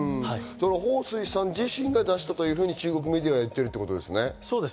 ホウ・スイさん自身が出したと中国メディアは言ってるということですね。